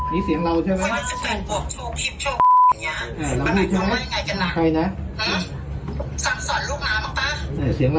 นี่เสียงเราใช่ไหม